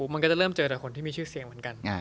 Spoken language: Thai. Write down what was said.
มันก็จะเริ่มเจอแต่คนที่มีชื่อเสียงเหมือนกัน